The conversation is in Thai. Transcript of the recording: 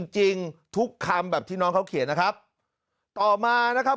จริงทุกคำแบบที่น้องเขาเขียนนะครับต่อมานะครับ